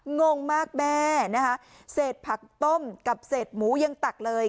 งงมากแม่นะคะเศษผักต้มกับเศษหมูยังตักเลย